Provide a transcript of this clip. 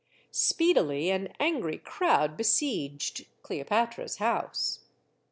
Speedily an angry crowd besieged Cleopatra's house.